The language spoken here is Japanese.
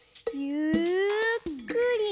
ゆっくり。